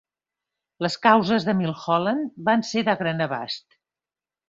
Les causes de Milholland van ser de gran abast.